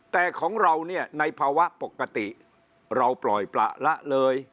แต่ของเราเนี่ยในภาวะปกติเราปล่อยประละเลย